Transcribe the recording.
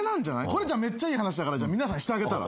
これめっちゃいい話だから皆さんにしてあげたら？